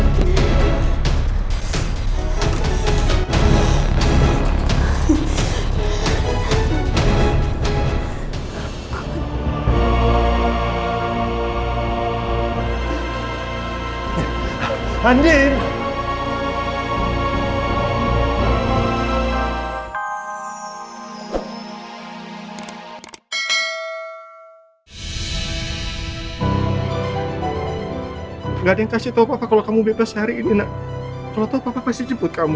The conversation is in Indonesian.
tidak ada yang memberitahu papa kalau kamu bebas sehari ini nak kalau tau papa pasti jemput kamu